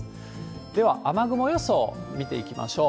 では、雨雲予想、見ていきましょう。